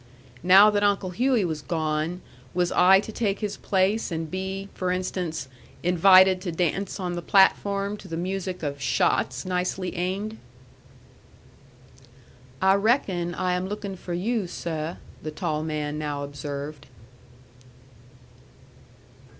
Now that Uncle Hughey was gone, was I to take his place and be, for instance, invited to dance on the platform to the music of shots nicely aimed? "I reckon I am looking for you, seh," the tall man now observed.